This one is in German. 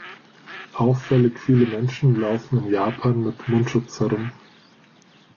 Auffällig viele Menschen laufen in Japan mit Mundschutz herum.